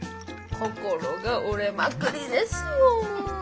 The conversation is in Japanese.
心が折れまくりですよ。